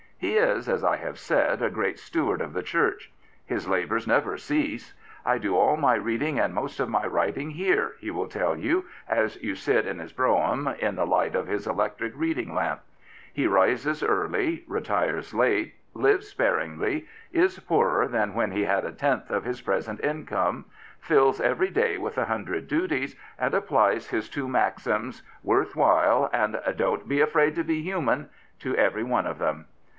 He is, as I have said, a great steward of the Church. His labours never cease. " I do all my reading and most i68 The Bishop of London of my writing here/' he will tell you, as you sit in his brougham in the light of his electric reading lamp. He rises early, retires late, lives sparingly, is poorer than when he had a tenth of his present income, fills every day with a hundred duties, and applies his two maxims, " Worth while " and Don't be afraid to be human," to every one of them.